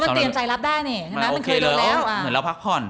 มันเตรียมใจรับได้นี่